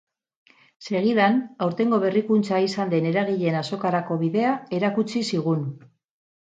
Segidan, aurtengo berrikuntza izan den eragileen azokarako bidea erakutsi zigun.